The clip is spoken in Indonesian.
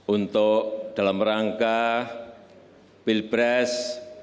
untuk dalam rangka pilpres